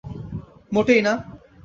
মোটেই না।